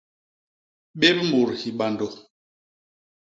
Bép mut hibandô.